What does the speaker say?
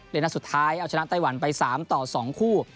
นัดสุดท้ายเอาชนะไต้หวันไป๓ต่อ๒คู่